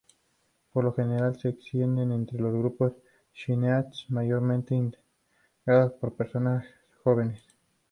Por lo general se extiende entre los grupos skinheads mayormente integrados por personas jóvenes.